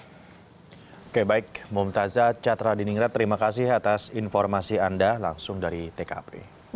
oke baik mumtazah catra diningrat terima kasih atas informasi anda langsung dari tkp